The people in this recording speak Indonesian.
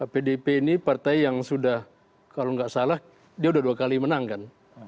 pdip ini partai yang sudah kalau nggak salah dia udah dua kali menang kan